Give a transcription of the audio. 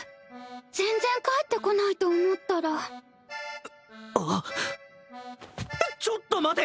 全然帰ってこないと思ったらあっちょっと待て！